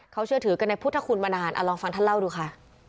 เขาเชื่อถือกันในพุทธคุณมานานลองฟังท่านเล่าดูค่ะ